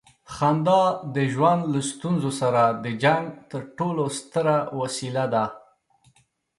خندا د ژوند له ستونزو سره د جنګ تر ټولو ستره وسیله ده.